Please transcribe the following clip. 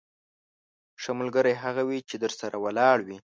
ښه ملګری هغه وي چې درسره ولاړ وي.